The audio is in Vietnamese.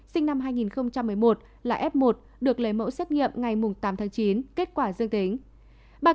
sinh năm hai nghìn một mươi một là f một được lấy mẫu xét nghiệm ngày tám tháng chín kết quả dương tính